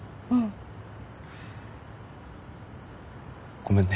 ごめんね。